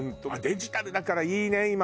デジタルだからいいね今。